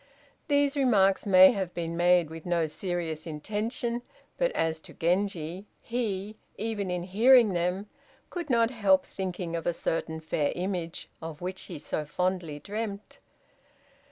These remarks may have been made with no serious intention, but as to Genji, he, even in hearing them, could not help thinking of a certain fair image of which he so fondly dreamt.